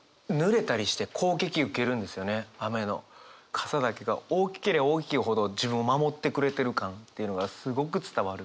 傘だけが大きけりゃ大きいほど自分を守ってくれてる感っていうのがすごく伝わる。